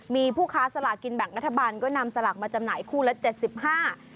มีผู้ค้าสลากินแบ่งรัฐบาลก็นำสลากมาจำหน่ายคู่ละเจ็ดสิบห้า